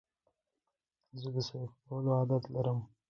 زه د سیو کولو عادت لرم.